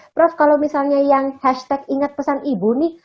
prof kalau misalnya yang hashtag ingat pesan ibu nih